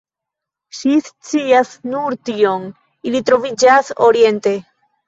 Ŝi scias nur tion: ili troviĝas oriente.